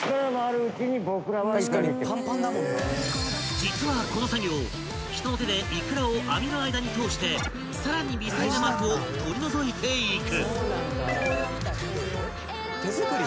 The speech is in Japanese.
［実はこの作業人の手でいくらを網の間に通してさらに微細な膜を取り除いていく］